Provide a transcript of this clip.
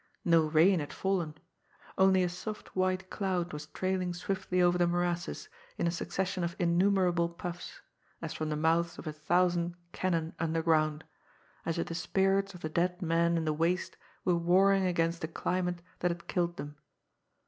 No rain had fallen. Only a soft white cloud was trailing swiftly over the morasses in a succession of innumerable puffs, as from the mouths of a thousand cannon underground, as if the spirits of the dead men in the waste were warring against the climate that had killed them.